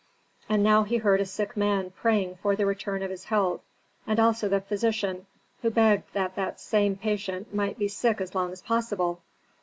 And now he heard a sick man praying for the return of his health, and also the physician, who begged that that same patient might be sick as long as possible.